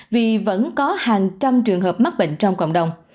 vì vẫn có hàng trăm trường hợp mắc bệnh trong cộng đồng